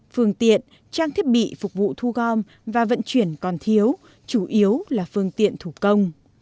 phương tiện trang thiết bị phục vụ thu gom và vận chuyển còn thiếu chủ yếu là phương tiện thủ công